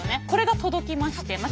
これが届きまして。